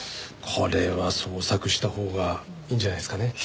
これは捜索したほうがいいんじゃないですかね。